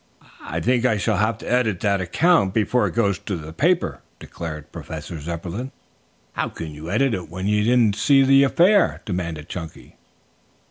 "I think I shall have to edit that account before it goes to the paper," declared Professor Zepplin. "How can you edit it when you didn't see the affair?" demanded Chunky.